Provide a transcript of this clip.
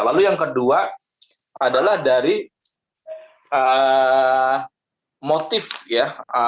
lalu yang kedua adalah dari motif ya